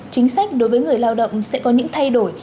chính sách đối với người lao động sẽ có những thay đổi